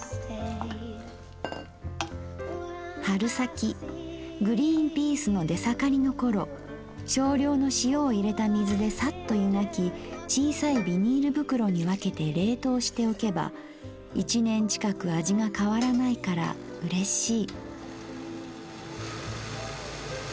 「春先グリーンピースの出盛りの頃少量の塩を入れた水でさっとゆがき小さいビニール袋にわけて冷凍しておけば一年近く味が変わらないから嬉しい」。